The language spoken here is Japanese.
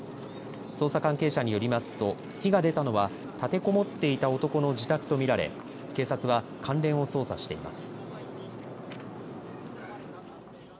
捜査関係者によりますと火が出たのは立てこもっていた男の自宅と見られ警察は関連を捜査しています。